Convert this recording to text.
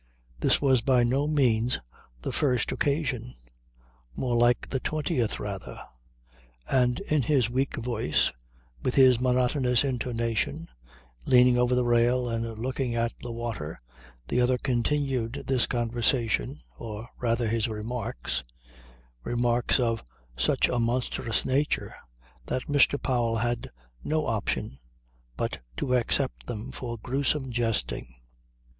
This was by no means the first occasion. More like the twentieth rather. And in his weak voice, with his monotonous intonation, leaning over the rail and looking at the water the other continued this conversation, or rather his remarks, remarks of such a monstrous nature that Mr. Powell had no option but to accept them for gruesome jesting.